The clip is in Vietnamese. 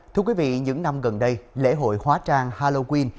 thưa quý vị những năm gần đây lễ hội hóa trang halloween